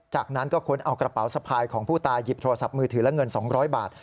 จากนั้นก็ค้นเอากระเป๋าสะพายของผู้ตายหยิบโทรศัพท์มือถือและเงิน๒๐๐บาท